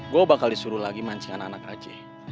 gue bakal disuruh lagi mancingan anak anak aja